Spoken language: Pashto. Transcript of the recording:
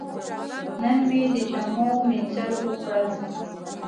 نن مې د جامو مینځل وکړل.